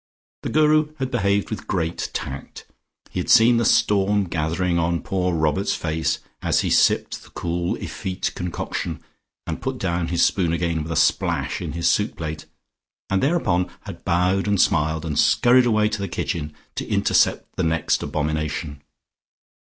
The Guru had behaved with great tact; he had seen the storm gathering on poor Robert's face, as he sipped the cool effete concoction and put down his spoon again with a splash in his soup plate, and thereupon had bowed and smiled and scurried away to the kitchen to intercept the next abomination.